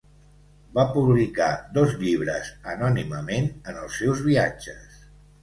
Va publicar dos llibres anònimament en els seus viatges.